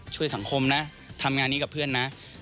ช่วยสังคมนะทำงานนี้กับเพื่อนนะ